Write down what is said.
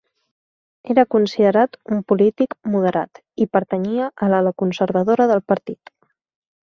Era considerat un polític moderat, i pertanyia a l'ala conservadora del partit.